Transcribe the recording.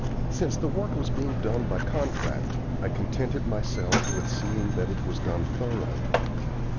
Since the work was being done by contract, I contented myself with seeing that it was done thoroughly.